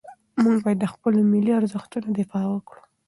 موږ باید د خپلو ملي ارزښتونو دفاع وکړو.